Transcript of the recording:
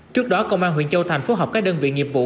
trước đó công an huyện châu thành phối hợp các đơn vị nghiệp vụ